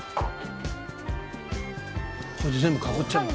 これで全部かぶっちゃうんだ。